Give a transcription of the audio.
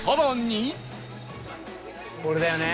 これだよね。